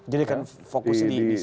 jadi kan fokus di